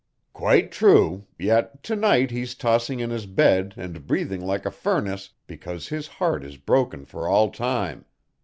"Quite true, yet to night he's tossing in his bed and breathing like a furnace because his heart is broken for all time.